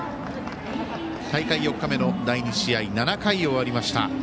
大会４日目の第２試合７回を終わりました。